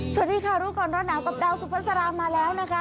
สวัสดีค่ะรูปกรณ์ร้อนน้ำกับดาวสุฟัสรามาแล้วนะคะ